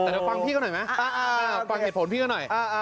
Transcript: งั้นมันไปติดไฟอีกนิดเดียวนะอันนี้ไม่ตลกนะพลึบเลยนะ